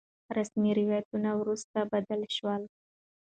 رسمي روايتونه وروسته بدل شول.